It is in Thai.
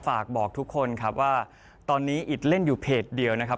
ฝากบอกทุกคนครับว่าตอนนี้อิดเล่นอยู่เพจเดียวนะครับ